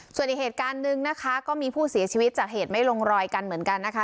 ส่วนอีกเหตุการณ์หนึ่งนะคะก็มีผู้เสียชีวิตจากเหตุไม่ลงรอยกันเหมือนกันนะคะ